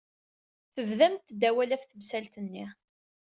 Tebdamt-d awal ɣef temsalt-nni.